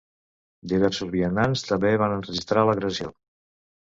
Diversos vianants també van enregistrar l’agressió.